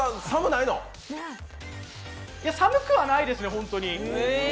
いや、寒くはないですね、本当に。